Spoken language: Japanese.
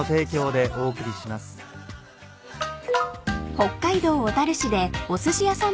［北海道小樽市でおすし屋さん